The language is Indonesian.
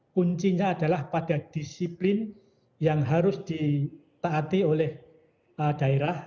kuncinya adalah pada disiplin yang harus ditaati oleh daerah